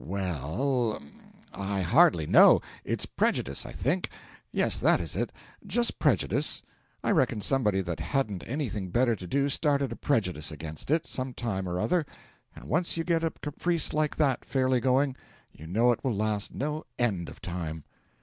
'Wel l l, I hardly know. It's prejudice, I think. Yes, that is it just prejudice. I reckon somebody that hadn't anything better to do started a prejudice against it, some time or other, and once you get a caprice like that fairly going, you know it will last no end of time.'